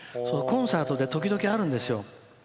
コンサートで時々あるんですよ。